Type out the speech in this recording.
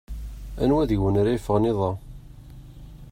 Anwa deg-wen ara yeffɣen iḍ-a?